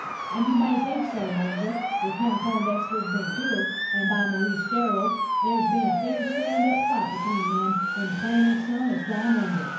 "And you may think so, major. If young Poindexter's been killed, and by Maurice Gerald, there's been a fair stand up fight atween them, and the planter's son has gone under.